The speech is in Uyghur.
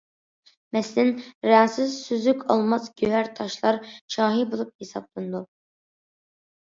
مەسىلەن: رەڭسىز سۈزۈك ئالماس گۆھەر تاشلار شاھى بولۇپ ھېسابلىنىدۇ.